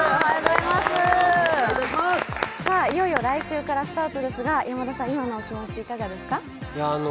いよいよ来週からスタートですが、山田さん、今のお気持ちはいかがですか？